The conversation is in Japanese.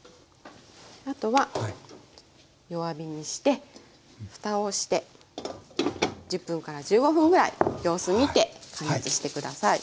あとは弱火にしてふたをして１０分１５分ぐらい様子みて加熱して下さい。